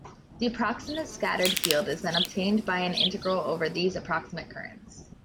The approximate scattered field is then obtained by an integral over these approximate currents.